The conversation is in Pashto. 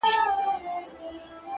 • چي شال يې لوند سي د شړۍ مهتاجه سينه؛